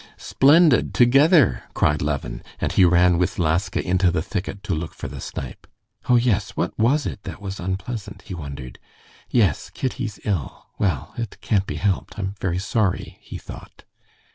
"Splendid! Together!" cried Levin, and he ran with Laska into the thicket to look for the snipe. "Oh, yes, what was it that was unpleasant?" he wondered. "Yes, Kitty's ill.... Well, it can't be helped; I'm very sorry," he thought.